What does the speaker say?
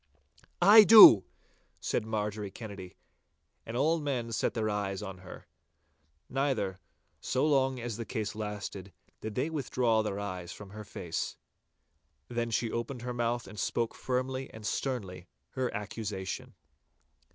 'I do!' said Marjorie Kennedy, and all men set their eyes on her. Neither, so long as the case lasted, did they withdraw their eyes from her face. Then she opened her mouth and spoke firmly and sternly her accusation.